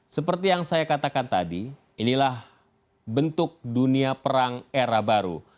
seperti yang saya katakan tadi inilah bentuk dunia perang era baru